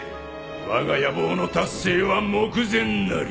わが野望の達成は目前なり。